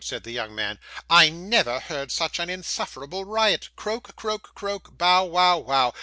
said the young man. 'I neyver heard such an insufferable riot. Croak, croak, croak. Bow, wow, wow.